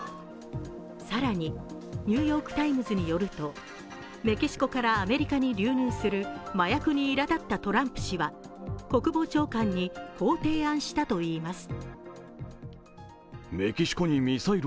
更に、「ニューヨーク・タイムズ」によると、メキシコかえらアメリカに流入する麻薬にいらだったトランプ氏は国防長官にこう提案したといいます。